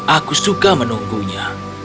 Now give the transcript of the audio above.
aku suka menunggunya